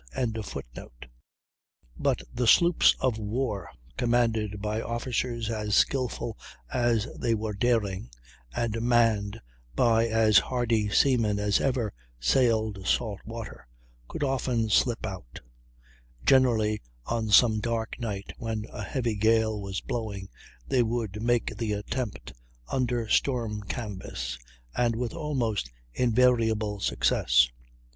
] But the sloops of war, commanded by officers as skillful as they were daring, and manned by as hardy seamen as ever sailed salt water, could often slip out; generally on some dark night, when a heavy gale was blowing, they would make the attempt, under storm canvas, and with almost invariable success.